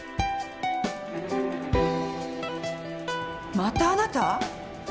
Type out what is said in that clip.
またあなた？